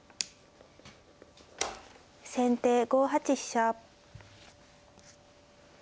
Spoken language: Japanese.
先手５八飛車。